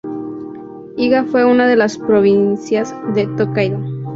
Iga fue una de las provincias de Tōkaidō.